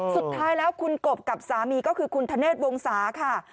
สุดท้ายแล้วคุณกบกับสามีก็คือคุณธเนธวงศาค่ะ